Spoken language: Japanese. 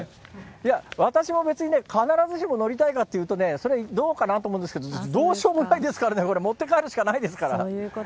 いや、私も別に必ずしも乗りたいかっていうとね、それはどうかなと思うんですけど、どうしようもないですからね、これ、そういうことか。